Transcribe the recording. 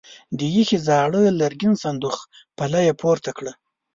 د ايښې زاړه لرګين صندوق پله يې پورته کړه.